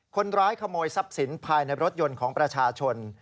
คนร้ายขโมยทรัพย์สินภายในรถยนต์ของประชาชน